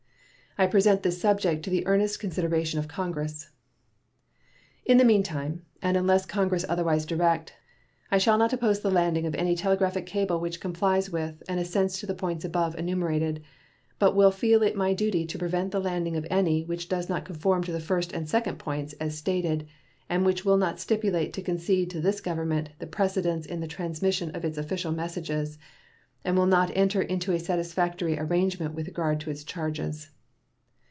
I present this subject to the earnest consideration of Congress. In the meantime, and unless Congress otherwise direct, I shall not oppose the landing of any telegraphic cable which complies with and assents to the points above enumerated, but will feel it my duty to prevent the landing of any which does not conform to the first and second points as stated, and which will not stipulate to concede to this Government the precedence in the transmission of its official messages and will not enter into a satisfactory arrangement with regard to its charges.